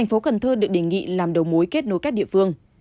chủ tịch ubnd được đề nghị làm đầu mối kết nối các địa phương